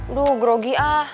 aduh grogi ah